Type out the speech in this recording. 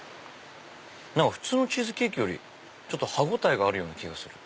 普通のチーズケーキより歯応えがあるような気がする。